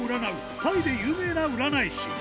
タイで有名な占い師。